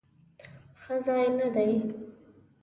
ښه ځای نه دی؟